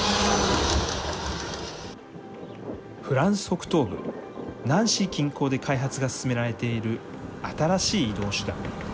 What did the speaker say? フランス北東部ナンシー近郊で開発が進められている新しい移動手段。